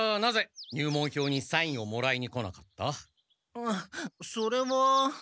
あそれは。